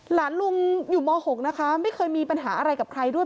หลานลุงอยู่ม๖นะคะไม่เคยมีปัญหาอะไรกับใครด้วย